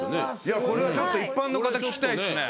これはちょっと一般の方聞きたいですね。